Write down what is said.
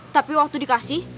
tapi waktu dikasih